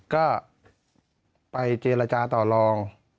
ก็ไปเจรจาต่อลอง